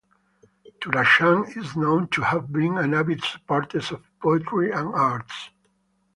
Turanshah is known to have been an avid supporters of poetry and arts.